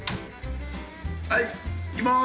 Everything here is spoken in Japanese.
はいいきます！